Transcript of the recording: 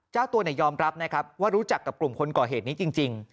เจ้าตัวยอมรับนะครับว่ารู้จักกับกลุ่มคนก่อเหตุนี้จริง